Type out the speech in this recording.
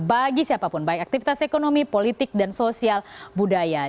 bagi siapapun baik aktivitas ekonomi politik dan sosial budaya